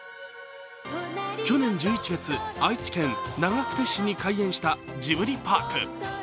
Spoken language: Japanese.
去年１１月、愛知県長久手市に開園したジブリパーク。